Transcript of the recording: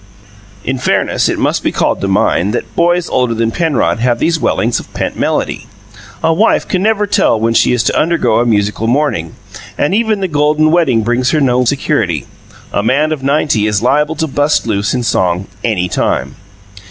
In fairness, it must be called to mind that boys older than Penrod have these wellings of pent melody; a wife can never tell when she is to undergo a musical morning, and even the golden wedding brings her no security, a man of ninety is liable to bust loose in song, any time.